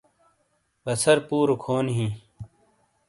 باسر پورو کھونی ہئے